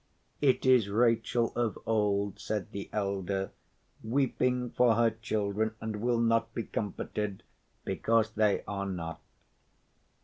"It is Rachel of old," said the elder, "weeping for her children, and will not be comforted because they are not.